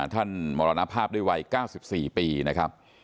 มรณภาพด้วยวัย๙๔ปีนะครับ